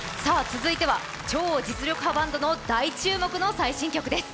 続いては、超実力派バンドの大注目の最新曲です。